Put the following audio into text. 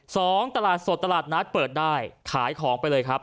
ตลาดสดตลาดนัดเปิดได้ขายของไปเลยครับ